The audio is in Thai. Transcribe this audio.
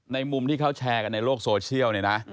ในมุมที่เขาแชร์กันในโลกโซเชียล